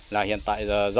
là hiện tại do dân đóng góp